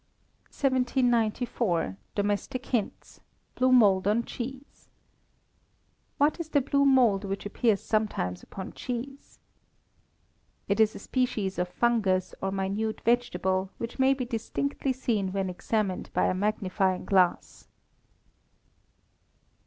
1794. Domestic Hints (Blue Mould on Cheese). What is the blue mould which appears sometimes upon cheese? It is a species of fungus, or minute vegetable, which may be distinctly seen when examined by a magnifying glass.